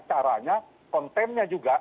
caranya kontennya juga